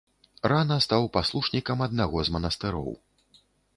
Рана стаў паслушнікам аднаго з манастыроў.